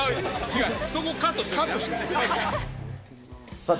そこカットしておいて。